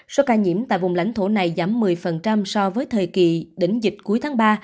số ca nhiễm tại vùng lãnh thổ này giảm một mươi so với thời kỳ đỉnh dịch cuối tháng ba